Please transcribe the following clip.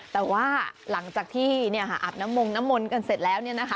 แต่ว่าหลังจากที่อาบน้ำมงน้ำมนต์กันเสร็จแล้ว